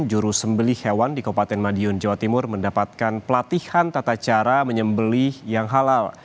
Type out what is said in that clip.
juru sembeli hewan di kabupaten madiun jawa timur mendapatkan pelatihan tata cara menyembeli yang halal